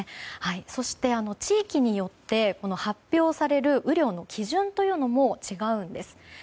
そして地域によって発表される雨量の基準というのも違うんです。